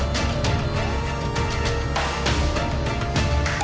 deket gak kita emang sex